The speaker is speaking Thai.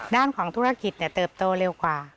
ด้านของธุรกิจเติบโตเร็วกว่า